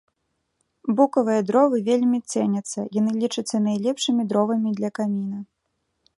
Букавыя дровы вельмі цэняцца, яны лічацца найлепшымі дровамі для каміна.